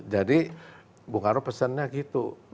jadi bung karno pesannya gitu